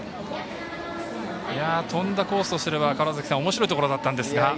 飛んだコースとしてはおもしろいところだったんですが。